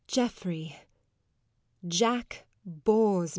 Geoffrey, Jack bores me.